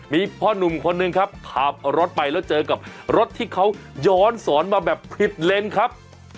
มีพ่อหนุ่มคนหนึ่งครับขับรถไปแล้วเจอกับรถที่เขาย้อนสอนมาแบบผิดเลนครับ